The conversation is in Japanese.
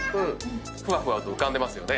ふわふわと浮かんでます。